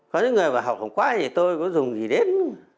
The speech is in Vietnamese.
có những người mà học không quá thì tôi có dùng gì đến